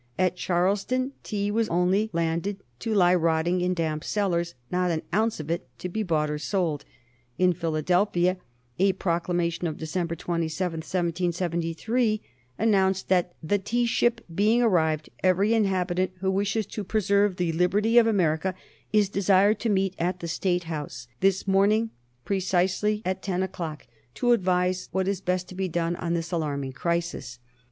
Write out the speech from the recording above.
At Charleston tea was only landed to lie rotting in damp cellars, not an ounce of it to be bought or sold. In Philadelphia a proclamation of December 27, 1773, announced that "THE TEA SHIP being arrived, every Inhabitant who wishes to preserve the Liberty of America is desired to meet at the STATE HOUSE, This Morning, precisely at TEN O'clock, to advise what is best to be done on this alarming Crisis."